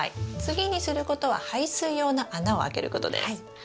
次にすることは排水用の穴を開けることです。